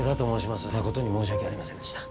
まことに申し訳ありませんでした。